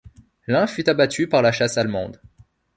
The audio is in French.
L’un fut abattu par la chasse allemande.